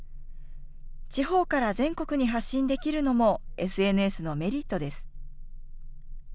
地方から全国に発信できるのも、ＳＮＳのメリットです。